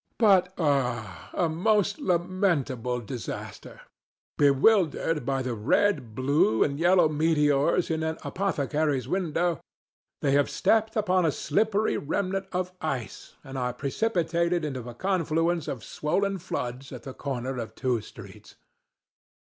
But ah! a most lamentable disaster! Bewildered by the red, blue and yellow meteors in an apothecary's window, they have stepped upon a slippery remnant of ice, and are precipitated into a confluence of swollen floods at the corner of two streets.